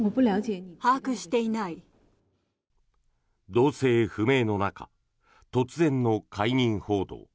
動静不明の中突然の解任報道。